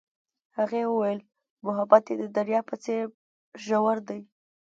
هغې وویل محبت یې د دریاب په څېر ژور دی.